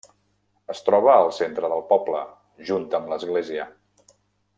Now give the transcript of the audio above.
Es troba al centre del poble, junt amb l'església.